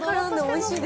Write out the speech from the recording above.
おいしい！